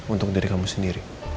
untuk diri kamu sendiri